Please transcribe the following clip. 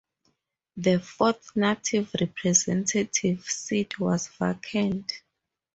The fourth Native Representative seat was vacant.